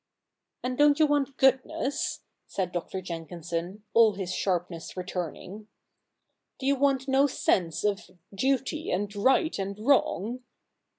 '*' And don't you want goodness ?" said Dr. Jenkinson, all his sharpness returning ;' do you want no sense of duty, and right, and wrong